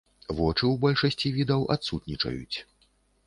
Вочы ў большасці відаў адсутнічаюць.